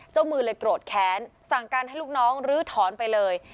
เจ้ามือเลยโกรธแค้นสั่งการให้ลูกน้องลื้อถอนไปเลย